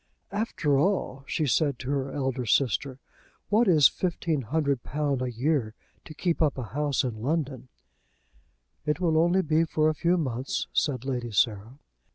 "After all," she said to her elder sister, "what is £1,500 a year to keep up a house in London?" "It will only be for a few months," said Lady Sarah.